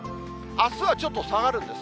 あすはちょっと下がるんです。